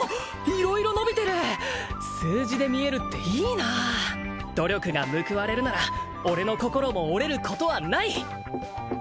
色々伸びてる数字で見えるっていいなあ努力が報われるなら俺の心も折れることはない！